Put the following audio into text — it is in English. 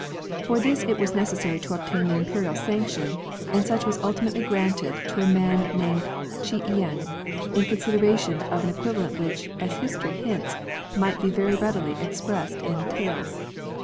For this it was necessary to obtain the Imperial sanction, and such was ulti mately granted to a man named Ch'ien, in considera tion of an equivalent, which, as history hints, might be very readily expressed in taels.